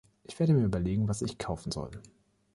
Ich werde mir überlegen, was ich kaufen soll.